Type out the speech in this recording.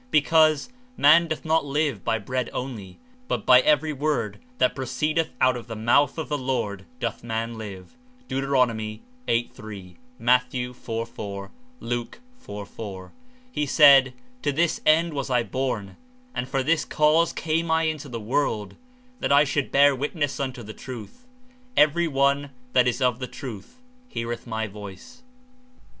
because, ''Man doth not live by bread only, but by every word that pro II ceedeth out of the mouth of the Lord doth man live.'^ (Deut. 8.3; Matt. 4.4; Lu. 4.4.) He said: ''To this end was I born, and for this cause came I into the world, that I should hear witness unto the truth. Every one that is of the truth heareth my voice.''